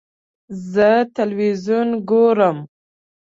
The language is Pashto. زه تلویزیون ګورم.